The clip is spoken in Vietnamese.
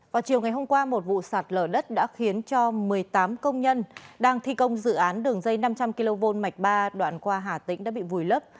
vào chiều ngày hôm qua một vụ sạt lở đất đã khiến cho một mươi tám công nhân đang thi công dự án đường dây năm trăm linh kv mạch ba đoạn qua hà tĩnh đã bị vùi lấp